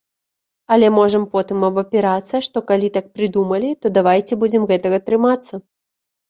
Але можам потым абапірацца, што калі так прыдумалі, то давайце будзем гэтага трымацца.